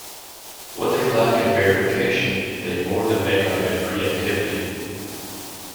What they lack in verification, they more than make up in creativity.